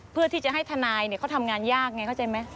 เพื่อที่จะให้ทนายเขาทำงานยากไงเข้าใจไหม